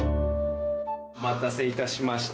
お待たせいたしました。